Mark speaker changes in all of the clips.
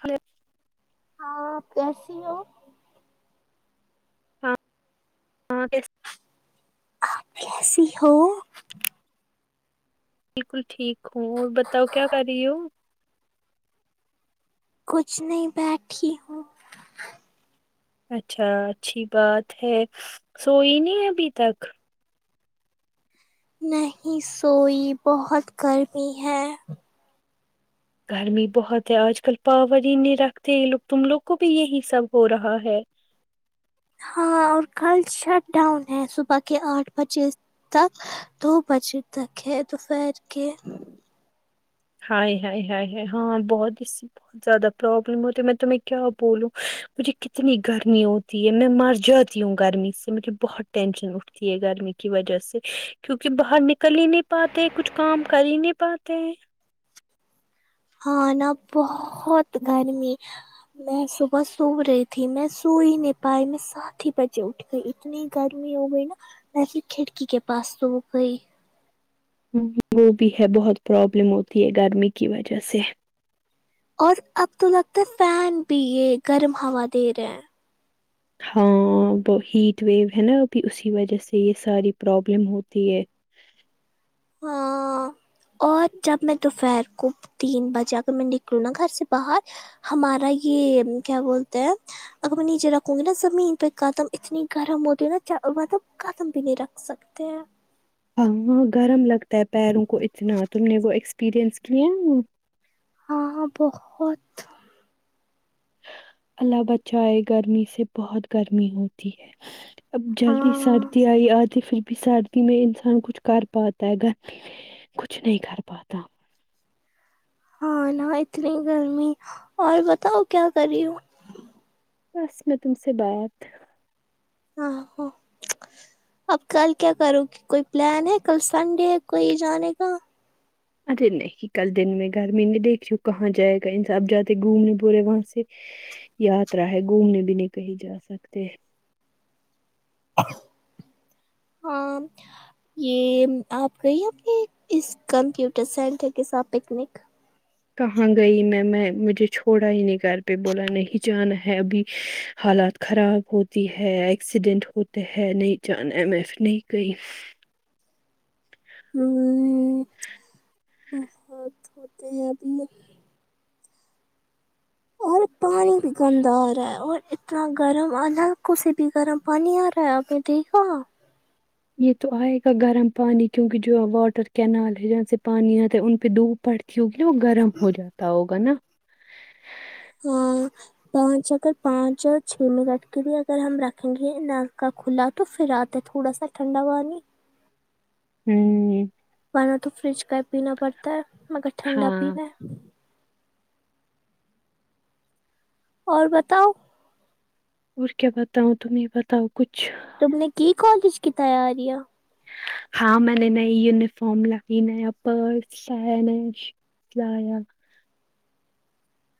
Speaker 1: ہ
Speaker 2: ہاںپ کیسی ہو
Speaker 1: ہاں ہاں
Speaker 2: سیہو
Speaker 1: بالکل ٹھیک ہوں اور بتاؤ کیا کر رہی ہو
Speaker 2: کچھ نہیں بیٹھی ہوں
Speaker 1: اچھا اچھی بات ہے سوئی نہیں ابھی تک
Speaker 2: نہیں سوئی بہت گرمی ہے
Speaker 1: گرمی بہت ہے آج کل پاور ہی نہیں رکھتے یہ لوگ تم لوگ کو بھی یہی سب ہو رہا ہے
Speaker 2: ہاں اور کل شٹ ڈاؤن ہے صبح کے آٹھ بجے تک دو بجے تک ہے دوپہر کے
Speaker 1: ہائے ہ ہ ہاں بہت ہی بت زیادہ پرابلم ہوتی میں تمہیں کیا بولوں مجھے کتنی گرمی ہوتی ہے میں مر جاتی ہوں گرمی سے مجھے بہت ٹینشن اٹھتی ہے گرمی کی وجہ سے کیوںکہ باہر نکل ہی نہیں پاتے کچھ کام کر ہی نہیں پاتے ہیں
Speaker 2: ہاں نا بہت گرمی میں صبح سو رہی تھی میں سو ہی نہیں پائی میں سات ہی بجے اٹھ گئی اتنی گرمی ہو گئی نا ویسے کھڑکی کے پاس تو ہو گئی
Speaker 1: وہ بھی ہے بہت پروابلم ہوتی ہے گرمی کی وجہ سے
Speaker 2: اور اب تو لگتا ہے فین بھی یہ گرم ہوا دے رہے ہیں
Speaker 1: ہاں ہیٹ ویو ہے نا ابھی اسی وجہ سے یہ ساری پرابلم ہوتی ہے
Speaker 2: ہاں اور جب میں دوپہر کو تین بجا کر میں نکلوں نا گھر سے باہر ہمارا یہ کیا بولتے ہیں اگر میں نیچے رکھوں گی نا زمین پہ قدم اتنی گرم ہوتی ہے نا مطلب قدم بھی نہیں رکھ سکتی تے ہے
Speaker 1: ا ہاں گرم لگتا ہے پیروں کو اتنا تم نے وہ ایکسپریئنس کیا
Speaker 2: ہاں ہاں بہت
Speaker 1: اللہ بچائے گرمی سے بہت گرمی ہوتی ہے اب جلدی
Speaker 2: ہاں
Speaker 1: سردی آئی آتی پھر بھی سردی میں انسان کچھ کر پاتا ہےگرمی مے کچھ نہیں کر پاتا
Speaker 2: ہاں نا اتنی گرمی اور بتاؤ کیا کررہی ہوں
Speaker 1: بس میں تم سے بات
Speaker 2: ہاں ہاں اب کل کیا کرو کہ کوئی پلان ہے کل سنڈے ہے کوئی جانے کا
Speaker 1: ارے نہیں کل دن میں گرمی نہیں دیکھ کہاں جائے گا انسان جاتے گھومنے پورے وہاں سے یاترا ہے گھومنے بھی نہیں کہیں جا سکتے
Speaker 2: ہاں یہ آپ گئی اپنے اس کمپیوٹر سینٹر کے ساتھ پکنک
Speaker 1: کہاں گئی میں میں مجھے چھوڑا ہی نہیں گھر پہ بولا نہیں جانا ہے ابھی حالات خراب ہوتی ہے ایکسیڈیننٹ ہوتے ہے نہیں جا نا ایم ایف نہیں گئی
Speaker 2: امم بہت ہوتے ہیں ابھی اور پانی ات گندا ارہا ہے اور اتنا گرم آ نا کوسی بھی گرم پانی آ رہا ہے آپ نے دیکھا
Speaker 1: یہ تو آئے گا گرم پانی کیونکہ جو واٹر کینال ہے جہاں سے پانی آتا ہے ان پہ دوب پڑ چونکی وہ گرم ہو جاتا ہوگا نا
Speaker 2: ہاں پانچ اگر پانچ اور چھ منٹ کے بھی اگر ہم رکھیں گے نل کا کھلا تو پھر آتے تھوڑا سا ٹھنڈا پانی
Speaker 1: ہوں
Speaker 2: نہ تو فریج کا ہی پینا پڑتا ہے مگر ٹھنڈا
Speaker 1: ہاں
Speaker 2: پینا ہے اور بتاؤ
Speaker 1: اور کیا بتاؤں تمہی بتاؤ کچھ
Speaker 2: تم نے کی کالج کی تیاریا
Speaker 1: ہاں میں نے نئی یونیفارم لائی نیا پرس نیا شوز لایا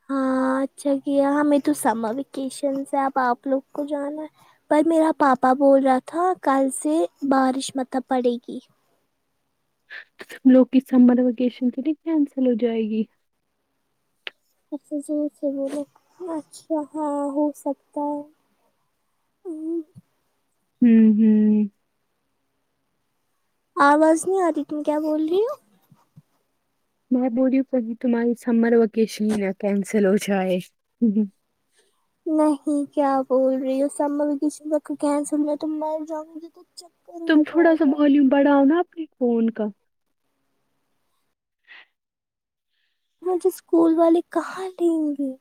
Speaker 2: ہاں اچھا کیا ہمیں تو سمر ویکیشن سے اب آپ لوگ کو جانا ہے پر میرا پاپا بول رہا تھا کل سے بارش مطلب پڑے گی
Speaker 1: لوگ کی سمر وکیشن کینی کینسل ہو جائے گی
Speaker 2: اچھا ہاں ہو سکتا ہے ام
Speaker 1: ہوں ہوں
Speaker 2: آواز نہیں آ رہی تم کیا بول رہی ہو
Speaker 1: میں بولریوں کہ تمہاری سمر وکیشن ہی نا کینسل ہو جائے
Speaker 2: نہیں کیا بول رہی ہو سممر ویکیشن تک کینسل رہ تو میں جاؤں گی تو چکر
Speaker 1: تم
Speaker 2: آ
Speaker 1: تھوڑا
Speaker 2: جائے
Speaker 1: سا
Speaker 2: گا
Speaker 1: والیوم بڈھاونا انپے فون کا
Speaker 2: مجھے اسکول والے کہاں لیں گی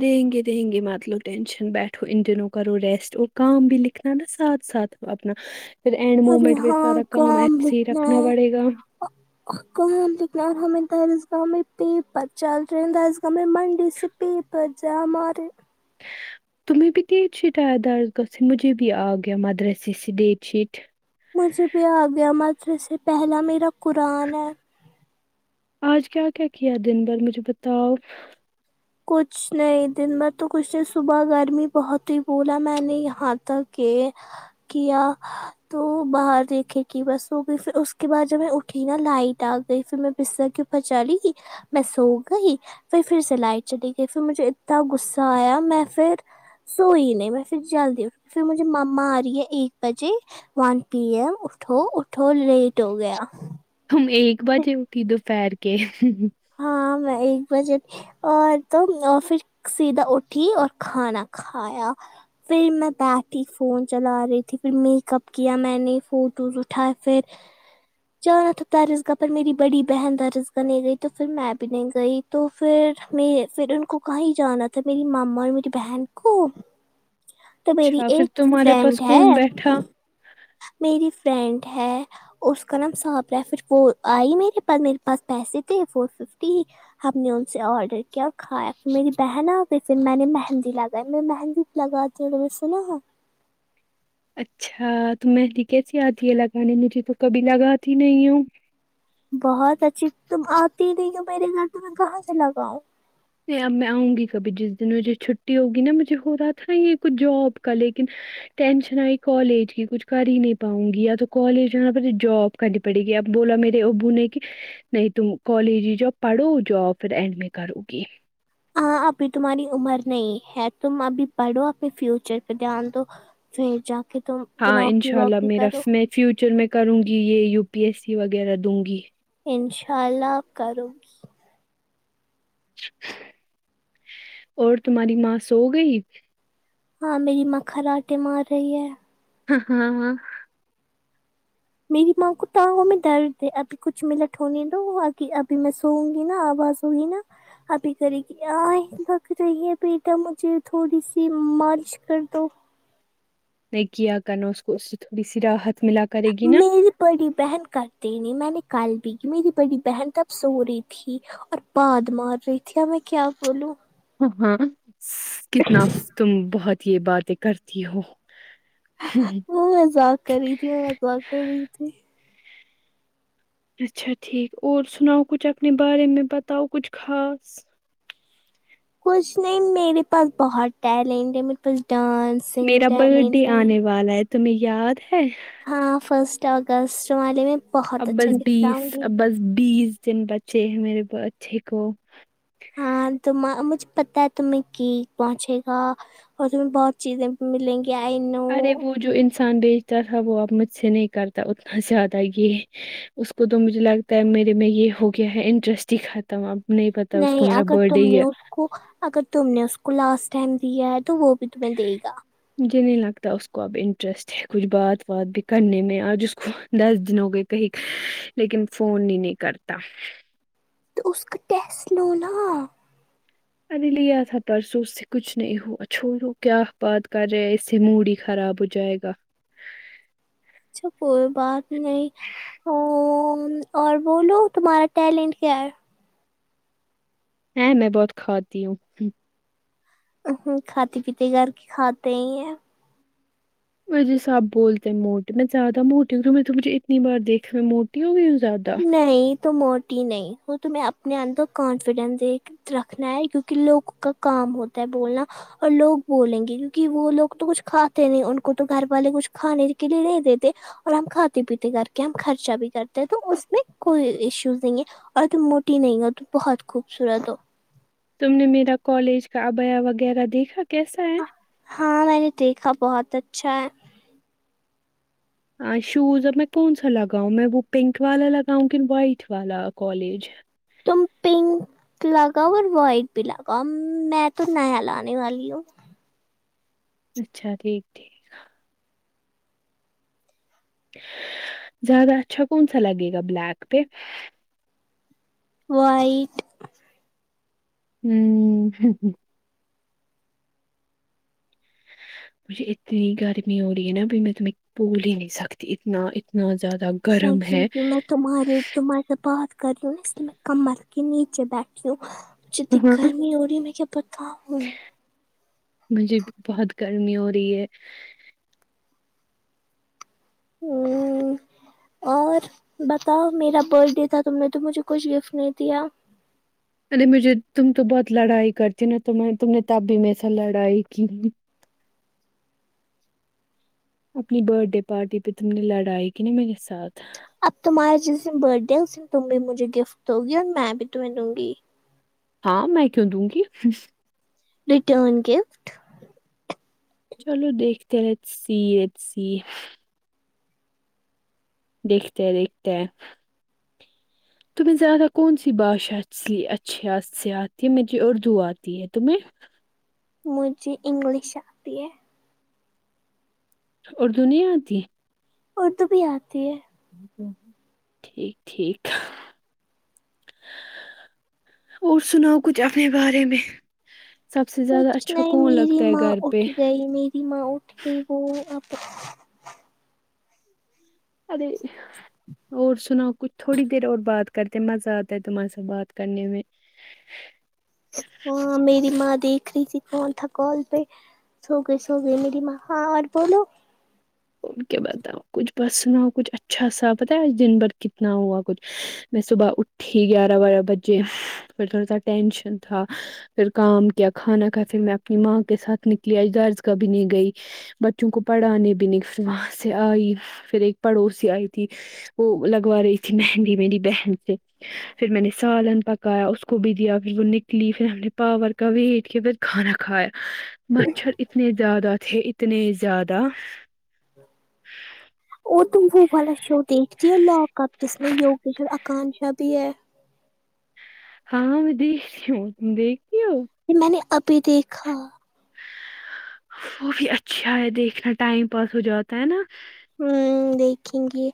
Speaker 1: دینگے دینگے مت لو ٹیٹنشن بیٹھو ان دنوں کرو ریسٹ اور کام بھی لکھنا نا ساتھ ساتھ اپنا پھر اینڈ
Speaker 2: ارے
Speaker 1: مومنٹ پے
Speaker 2: ہاں
Speaker 1: سارا کام ایسے ہی رکھنا پڑے گا
Speaker 2: ہاں کام لکن یار ہمے درس گاہ میں پیر پر چل رہے ہیں دارس گاہ میں منڈے سے پیر پے جہ مارے
Speaker 1: تمہیں بھی ڈیٹ شیٹ آیا درس گاه سے مجھے بھی آ گیا مدرسے سے ڈیٹ شیٹ
Speaker 2: مجھے بھی آ گیا مادر سے پہلا میرا قرآن ہے
Speaker 1: آج کیا کیا کیا دن بھر مجھے بتاؤ
Speaker 2: کچھ نہیں دن میں تو کچھ نہیں صبح گرمی بہت تھی بھولا میں نے یہاں تک کہ کیا تو باہر دیکھے کہ بس ہو گئی پھر اس کے بعد جب میں اٹھی نا لائٹ آ گئی پھر میں بستر کے پ چلی گئی میں سوگئی پھر پھر سے لائٹ چلی گئی پھر مجھے اتنا غصہ آیا میں پھر سوئی نہیں میں پھر جلدی اٹ پھر مجھے ماما آ رہی ہے ایک بجے ون پی ایم اٹھو اٹھو لیٹ ہو گیا
Speaker 1: ہم ایک بجے اٹھی دوپہر کے
Speaker 2: ہاں میں ایک بجے اور توا پھر سیدھا اٹھی اور کھانا کھایا پھر میں بیٹھی فون چلا رہی تھی پھر میک اپ کیا میں نے فوٹوز اٹھائے پھر چانا تھا درس گاہ پر میری بڑی بہن درس گاہ نہیں گئی تو پھر میں بھی نہیں گئی تو پھر میں پھر ان کو کہیں جانا تھا میری ماما اور میری بہن کو تو میری
Speaker 1: اچھا پھر
Speaker 2: ایک
Speaker 1: تمہارے
Speaker 2: فرینڈ
Speaker 1: پاس
Speaker 2: ہے
Speaker 1: کون بیٹھا
Speaker 2: میری فرینڈ ہے اس کا نام صابیا ہے پھر وہ آئی میرے پاس میرے پاس پیسے تھے فور ففٹی ہم نے ان سے آرڈر کیا کھایہ میری بہن آ گئی پھر میں نے مہندی لگائی میں مہندی لگاتے ہوئے میں نے سنا
Speaker 1: اچھا تو مہندی کیسی آتی ہے لگانے مجھے تو کبھی لگاتی نہیں ہوں
Speaker 2: بہت اچھی تم آتی ہی نہیں ہو میرے گھر تو میں کہاں سے لگاؤں
Speaker 1: نہیں اب میں آؤں گی کبھی جس دن مجھے چھٹی ہوگی نا مجھے ہو رہا تھا یہ کچھ جاب کا لیکن ٹینشن آئی کالج کی کچھ کر ہی نہیں پاؤں گی یا تو کالج یا پھر یہ جاب کرنی پڑے گی اب بولا میرے ابو نے کی نہیں تم کالج ہی جاؤ پڑھو جاب پھر اینڈ میں کرو گی
Speaker 2: ہاں ابھی تمہاری عمر نہیں ہے تم ابھی پڑھو اپنے فیوچر پہ دھیان دو پھر جا کے تم کوئی
Speaker 1: ہاں
Speaker 2: نوکری
Speaker 1: انشاء اللہ
Speaker 2: وکری
Speaker 1: میرا
Speaker 2: کرو
Speaker 1: میں فیوچر میں کروں گی یہ یو پی ایس سی وغیرہ دوں گی
Speaker 2: انشاء اللہ کرو گی
Speaker 1: اور تمہاری ماں سو گئی
Speaker 2: ہاں میری ماں خراٹے مار رہی ہے
Speaker 1: ہاں ہاں
Speaker 2: میری ماں کو پاؤں میں درد ہے ابھی کچھ منٹ ہونے دو و آکے ابھی میں سوؤوں گی نا آواز تو ہے نا ابھی کرے گی آئیں پک رہی ہے بیٹا مجھے تھوڑی سی مالش کر دو
Speaker 1: نہیں کیا کرنا اس کو اس سے تھوڑی سی راحت ملا کرے گی نا
Speaker 2: میری بڑی بہن کرتی نہیں میں نے کل بھی کی میری بڑی بہن تب سو رہی تھی اور پاد مار رہی تھی اب میں کیا بولوں
Speaker 1: ہ ہاں س کتنا س تم بہت یہ باتیں کرتی ہو
Speaker 2: وہ مزاق کر رہی تھی میں مزاق کر رہی تھی
Speaker 1: اچھا ٹھیک اور سناؤ کچھ اپنے بارے میں بتاؤ کچھ خاص
Speaker 2: کچھ نہیں میرے پاس بہت ٹیلنٹ ہے میرے پاس ڈانس
Speaker 1: میرا برتھ ڈے آنے والا ہے تمہیں یاد ہے
Speaker 2: ہاں فسٹ اگستٹ والے میں
Speaker 1: اب
Speaker 2: بہت اچھا
Speaker 1: بس
Speaker 2: گفٹ
Speaker 1: بیس
Speaker 2: لاؤں گی
Speaker 1: اب بس بیس دن بچے ہیں میرے برتھ دے کو
Speaker 2: ہاں تو م مجھے پتا ہے تمہیں کیک پہنچےگا اس میں بہت چیزیں بھی ملیں گی ی آئی نو
Speaker 1: ارے وہ جو انسان بیچتا تھا وہ اب مجھ سے نہیں کرتا اتنا زیادہ یہ اس کو تو مجھے لگتا ہے میرے میں یہ ہو گیا ہے انٹرسٹ ہی ختم اب نہیں پتا اس کو
Speaker 2: نہیں
Speaker 1: میرا
Speaker 2: اگر
Speaker 1: برتھ ڈے
Speaker 2: تم
Speaker 1: ہی
Speaker 2: نے
Speaker 1: ہے
Speaker 2: اس کو اگر تم نے اس کو لاسٹ ٹائم دیا ہے تو وہ بھی تمہیں دے گا
Speaker 1: مجھے نہیں لگتا اس کو اب انٹرسٹ ہے کچھ بات وات بھی کرنے میں آج کو دس دن ہو گئے کہیں لیکن فون ہی نہیں کرتا
Speaker 2: اس کا ٹیسٹ لونا
Speaker 1: ا لی س پرر سو سے کچھ نہیں ہو چھوڑو کیا بات کر رہے اس سے موڈ ہی خراب ہو جائے گا
Speaker 2: اچھا کوئی بات نہیں ا اور بولو تمہارا ٹیلنٹ کیا ہے
Speaker 1: ہا میں بہت کھاتی ہوں
Speaker 2: ہو کھاتے پیتے گھر کے کھاتے ہی ہیں
Speaker 1: م جی سب بولتے ہیں موٹے میں زیادہ موٹی تم نے تو مجھے اتنی بار دیکھے میں موٹی ہوگئی ہو زیادہ
Speaker 2: نہیں تم موٹی نہیں وہ تو میں اپنے اندر کانفیڈینس دے رکھنا ہے کیونکہ لوگوں کا کام ہوتا ہے بولنا اور لوگ بولیں گے کیونکہ وہ لوگ تو کچھ کھاتے نہیں ان کو تو گھر والے کچھ کھانے کے لیے نہیں دیتے اور ہم کھاتے پیتے کر کے ہم خرچہ بھی کرتے ہیں تو اس میں کوئی ایشوز نہیں ہے اور تم موٹی نہیں ہو تم بہت خوبصورت ہو
Speaker 1: تم نے میرا کالج کا ابیا وغیرہ دیکھا کیسا ہے
Speaker 2: ہاں میں نے دیکھا بہت اچھا ہے
Speaker 1: شوز اب میں کون سا لگاؤں میں وہ پنک والا لگاؤں کن وائٹ والا کالج
Speaker 2: تم پنک لگاؤ اور وائٹ بھی لگاؤ میں تو نیا لانے والی ہوں
Speaker 1: اچھا ٹھیک ٹھیک زیادہ اچھا کون سا لگے گا بلیک پہ
Speaker 2: وائٹ
Speaker 1: ہم ہم مجھے اتنی گرمی ہو رہی ہے نا ابی میں تمی بول ہی نہیں سکتی اتنا اتنا زیادہ گرم ہے
Speaker 2: جی میں تمہاریے تمہارے سے بات کر رہی ہوں نا اس لیے میں کمر کے نیچے بیٹھ وں مجھے اتنی
Speaker 1: ہاں۔
Speaker 2: گرمی ہو رہی ہے میں کیا پتا ہوں
Speaker 1: مجھے بھی بہت گرمی ہو رہی ہے
Speaker 2: ہا اور بتاؤ میرا برتھ ڈے تھا تم نے تو مجھے کچھ گفٹ نہیں دیا
Speaker 1: ارے مجھے تم تو بہت لڑائی کرتی ہو نا تو میں تم نے تب بھی میںیر سے لڑائی کی اپنی برتھڈے پارٹی پہ تم نے لڑائی کن میے ساتھ
Speaker 2: اب تمہارے جس دن برتھ ڈے ہے اسس دن تم بھی مجھے گفٹ دوگی اور میں بھی تمہیں دوں گی
Speaker 1: ہاں میں کیوں دوں گی
Speaker 2: ریٹرن گفٹ
Speaker 1: چلو دیکھتے ہیں ات س سی دیکھتے دیکھتے ہیں تمہیں زیادہ کون سی باشا اچھی آ سے آتی ہے مری اردو آتی ہے تمہیں
Speaker 2: مجھے انگلش آتی ہے
Speaker 1: اردو نہیں آتی
Speaker 2: اردو بھی آتی ہے
Speaker 1: ٹھیک ٹھیک اور سناؤ کچھ اپنے بارے میں سب سے زیادہ
Speaker 2: کچھ
Speaker 1: اچھا
Speaker 2: نہیں
Speaker 1: کون
Speaker 2: میری
Speaker 1: لگتا ہے
Speaker 2: ماں
Speaker 1: گھر پہ
Speaker 2: اٹھ گئی میری ماں اٹھ گئی وہ اب
Speaker 1: ادے اور سناؤ کچھ تھوڑی دیر اور بات کرتے مزہ آتا ہے تمہارے سے بات کرنے میں
Speaker 2: ہاں میری ماں دیکھ رہی تھی کون تھا کال پہ سو گئے سو گئے میری ماں ہاں اور بولو
Speaker 1: ا کے بتاؤ کچھ بسنا کچھ اچھا سا پتا ہے آج دن بھر کتنا ہوا کچھ میں صبح اٹھ تیک گیارہ بارہ بجے پھر تھوڑا سا ٹینشن تھا پھر کام کیا کھانا کھا پھر میں اپنی ماں کے ساتھ نکلی اج درز کا بھی نہیں گئی بچوں کو پڑھانے بھی نہیں وہاں سے آئی پھر ایک پڑوسی آئی تھی وہ لگوا رہی تھی مہندی میری بہن سے پھر میں نے سالن پکایا اس کو بھی دیا پھر وہ نکلی پھر ہم نے پاور کبھی عید کے بعد کھانا کھایا مچھر اتنے زیادہ تھے اتنے زیادہ
Speaker 2: اور تم وہو والا شو دیکھتی ہو لواک اپ جس میں یوگیش اور آکانشا بھی ہے
Speaker 1: ہاںاں میں دیکھتی ہوں تم دیکھتی ہو
Speaker 2: جی میں نے ابھی دیکھا
Speaker 1: وہ بھی اچھا ہے دیکھنا ٹائم پاس ہو جاتا ہے نا
Speaker 2: ہوں دیکھیں گی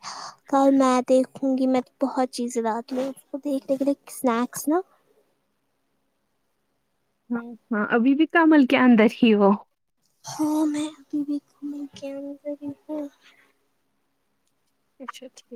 Speaker 2: کل میں دیکھوں گی میں بہت چیزیں ر کو دیکھنے کےے اسنیکس نا
Speaker 1: ہاں ہاں ابھی بھی کمل کے اندر ہی وہ
Speaker 2: ہاں میں ابھی بھی گھمی گ گری ہوں
Speaker 1: اچھا ٹھیک